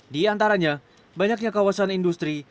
di antaranya banyaknya kawasan industri